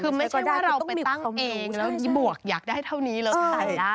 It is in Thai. คือไม่ใช่ว่าเราไปตั้งเองแล้วบวกอยากได้เท่านี้เราใส่ได้